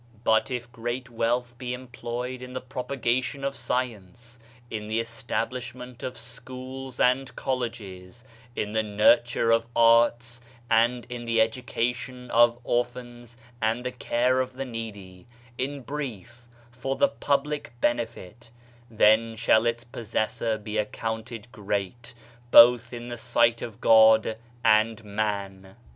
31 Digitized by Google MYSTERIOUS FORCES But if great wealth be employed in the propa gation of science, in the establishment of schools and colleges, in the nurture of arts, and in the education of orphans and the care of the needy, in brief, for the public benefit, then shall its possessor be accounted great, both in the sight of God and man.